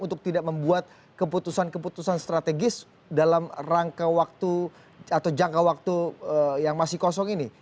untuk tidak membuat keputusan keputusan strategis dalam rangka waktu atau jangka waktu yang masih kosong ini